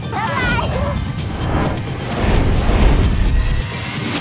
เท่าไร